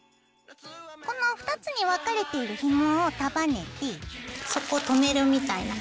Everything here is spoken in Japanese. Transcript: この２つに分かれているひもを束ねてそこ留めるみたいな感じで。